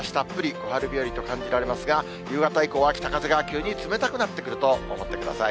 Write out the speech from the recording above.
小春日和と感じられますが、夕方以降は北風が急に冷たくなってくると思ってください。